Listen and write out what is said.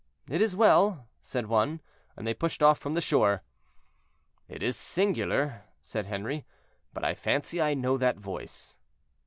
"It is well," said one, and they pushed off from the shore. "It is singular," said Henri, "but I fancy I know that voice."